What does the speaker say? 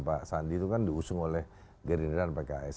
pak sandi itu kan diusung oleh gerindaran pks